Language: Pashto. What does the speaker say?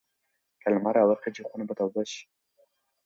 که لمر راوخېژي خونه به توده شي.